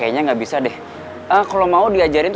nanti gue mau ngajarin